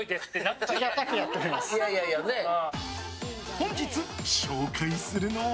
本日、紹介するのは。